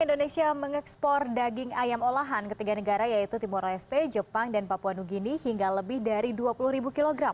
indonesia mengekspor daging ayam olahan ke tiga negara yaitu timur leste jepang dan papua new guinea hingga lebih dari dua puluh kg